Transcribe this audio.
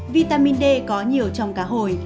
vitamin d có nhiều trong cá hồi